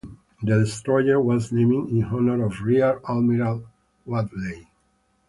The destroyer was named in honor of Rear Admiral Wadleigh.